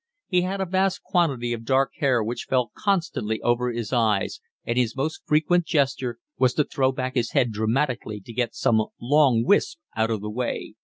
He had a vast quantity of dark hair which fell constantly over his eyes, and his most frequent gesture was to throw back his head dramatically to get some long wisp out of the way.